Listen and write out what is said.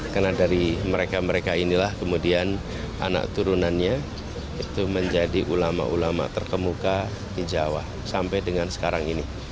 karena dari mereka mereka inilah kemudian anak turunannya itu menjadi ulama ulama terkemuka di jawa sampai dengan sekarang ini